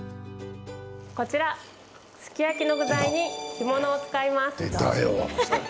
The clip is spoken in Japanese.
こちら、すき焼きの具材に干物を使います。